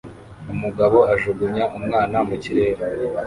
Umugabo ajugunya umwana mu kirere